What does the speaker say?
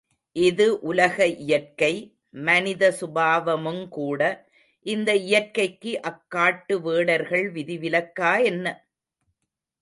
இது உலக இயற்கை மனித சுபாவமுங் கூட இந்த இயற்கைக்கு அக் காட்டு வேடர்கள் விதி விலக்கா என்ன?